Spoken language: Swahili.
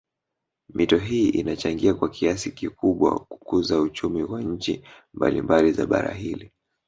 Mito hii inachangia kwa kiasi kikubwa kukuza uchumi kwa nchi mbalimbali za bara hili